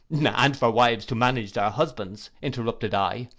'—'And for wives to manage their husbands,' interrupted I.